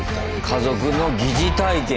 家族の疑似体験。